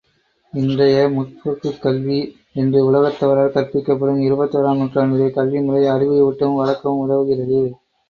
இன்றைய முற்போக்குக் கல்வி என்று உலகத்தவரால் கற்பிக்கப்படும் இருபத்தோராம் நூற்றாண்டைய கல்வி முறை அறிவை ஊட்டவும், வளர்க்கவும் உதவுகிறது.